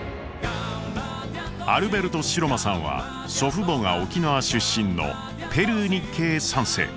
アルベルト城間さんは祖父母が沖縄出身のペルー日系３世。